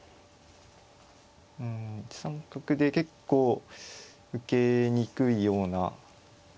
うん１三角で結構受けにくいような。